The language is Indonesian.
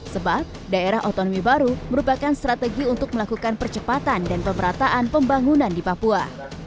sebab daerah otonomi baru merupakan strategi untuk melakukan percepatan dan pemerataan pembangunan di papua